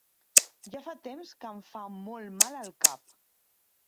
Ja fa temps que em fa molt mal el cap.